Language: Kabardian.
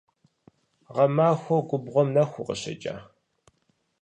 Гъэмахуэу губгъуэм нэху укъыщекӀа?